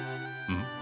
ん？